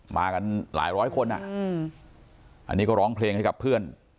มากันหลายร้อยคนอ่ะอันนี้ก็ร้องเพลงให้กับเพื่อน